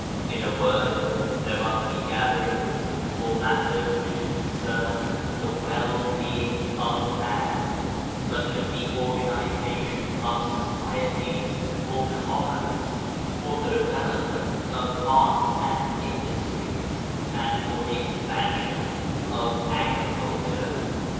In a word there must be gatherings for matters which concern the well being of man, such as the organization of societies for commerce, for the development of arts and industries, and for the expansion of agri culture.